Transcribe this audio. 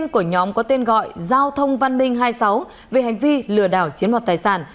của nhóm có tên gọi giao thông văn minh hai mươi sáu về hành vi lừa đảo chiếm mọt tài sản